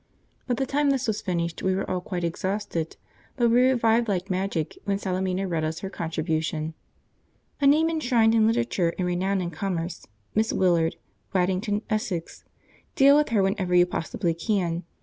By the time this was finished we were all quite exhausted, but we revived like magic when Salemina read us her contribution: "'A NAME ENSHRINED IN LITERATURE AND RENOWNED IN COMMERCE, Miss Willard, Waddington, Essex. Deal with her whenever you possibly can.